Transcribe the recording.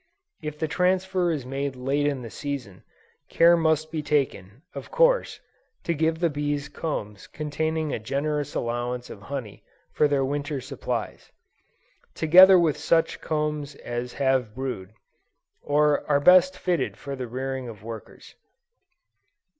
If the transfer is made late in the season, care must be taken, of course, to give the bees combs containing a generous allowance of honey for their winter supplies; together with such combs as have brood, or are best fitted for the rearing of workers.